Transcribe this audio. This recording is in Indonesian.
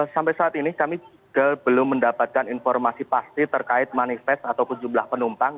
sampai saat ini kami belum mendapatkan informasi pasti terkait manifest ataupun jumlah penumpang